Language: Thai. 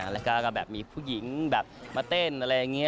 แล้วก็แบบมีผู้หญิงแบบมาเต้นอะไรอย่างนี้